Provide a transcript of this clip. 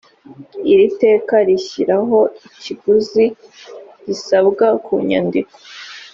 iri teka rishyiraho ikiguzi gisabwa ku nyandiko